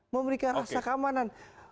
memberikan rasa keamanan